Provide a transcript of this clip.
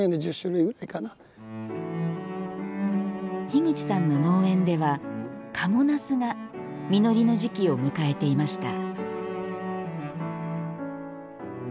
樋口さんの農園では賀茂なすが実りの時期を迎えていました。